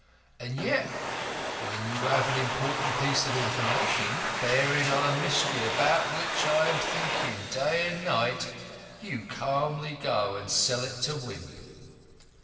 And yet, when you have an important piece of information bearing on a mystery about which I am thinking day and night, you calmly go and sell it to Wimp."